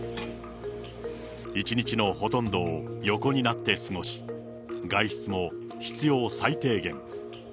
一日のほとんどを横になって過ごし、外出も必要最低限。